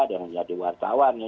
dengan jadi wartawan ya